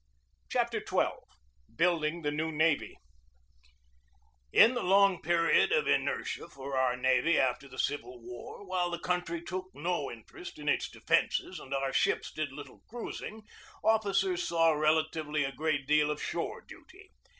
CHAPTER XII BUILDING THE NEW NAVY IN the long period of inertia for our navy after the Civil War, while the country took no interest in its defences and our ships did little cruising, of ficers saw relatively a great deal of shore duty.